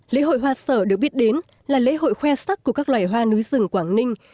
lễ hội hoa sở được biết đến là lễ hội khoe sắc của các loài hoa núi rừng quảng ninh